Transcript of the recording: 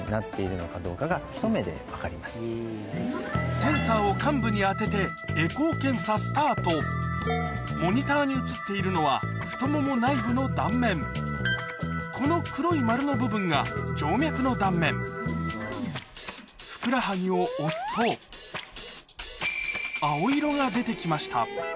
センサーを患部に当ててエコー検査スタートモニターに映っているのはこの黒い丸の部分が静脈の断面ふくらはぎを押すと青色が出て来ました